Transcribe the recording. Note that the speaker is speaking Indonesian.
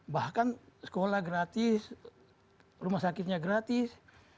bahkan sekolah gratis rumah sakitnya gratis